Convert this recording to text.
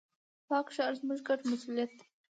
پاک ښار، زموږ ګډ مسؤليت دی.